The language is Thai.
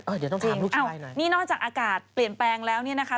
เดี๋ยวต้องถามลูกชายหน่อยนี่นอกจากอากาศเปลี่ยนแปลงแล้วนี่นะคะ